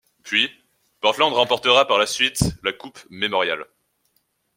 Puis, Portland remporta par la suite la Coupe Memorial.